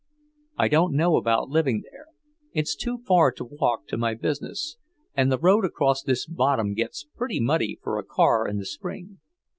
"I don't know about living there. It's too far to walk to my business, and the road across this bottom gets pretty muddy for a car in the spring."